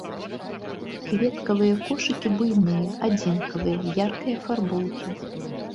Кветкавыя кошыкі буйныя, адзінкавыя, яркай афарбоўкі.